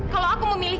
kalau aku mau milih